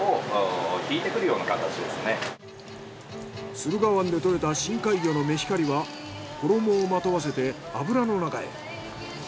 駿河湾で獲れた深海魚のメヒカリは衣をまとわせて油の中へ。